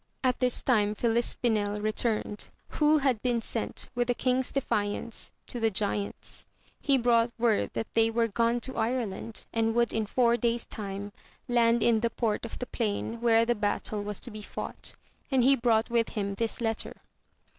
At this time Filispinel returned, who had been sent with the king's defiance to the giants j he brought word that they were gone to Ireland, and would in four days time land in the port of the plain where the battle was to be fought, and he brought with him this letter.